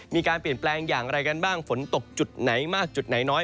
มีการเปลี่ยนแปลงอย่างไรกันบ้างฝนตกจุดไหนมากจุดไหนน้อย